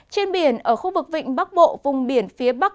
trên biển ở khu vực vịnh bắc bộ vùng biển phía bắc